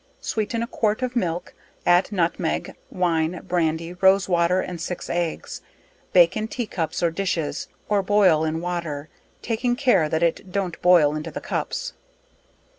Sweeten a quart of milk, add nutmeg, wine, brandy, rose water and six eggs; bake in tea cups or dishes, or boil in water, taking care that it don't boil into the cups.